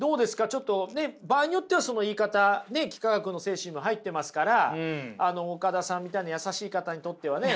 ちょっとね場合によってはその言い方幾何学の精神も入ってますから岡田さんみたいな優しい方にとってはね